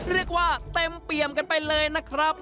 เรียกว่าเต็มเปี่ยมกันไปเลยนะครับ